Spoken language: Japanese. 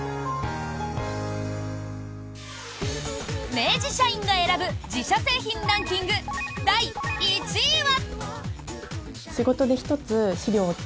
明治社員が選ぶ自社製品ランキング第１位は。